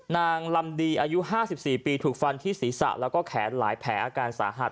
นางลำดีอายุ๕๔ปีถูกฟันที่ศีรษะแล้วก็แขนหลายแผลอาการสาหัส